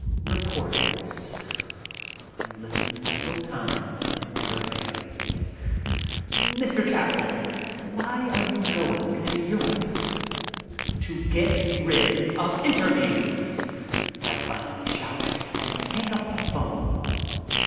Reporters. I listen several times, but it never varies. "Mr. Chaplin, why are you going to Europe?" "To get rid of interviews," I finally shout, and hang up the phone.